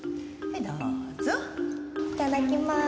いただきまーす。